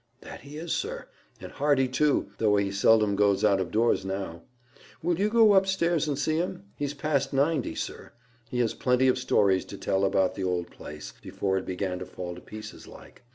"That he is, sir, and hearty too, though he seldom goes out of doors now. Will you go up stairs and see him? He's past ninety, sir. He has plenty of stories to tell about the old place—before it began to fall to pieces like."